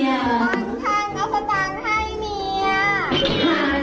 ออกสนามให้เมียออกทางออกสนามให้เมีย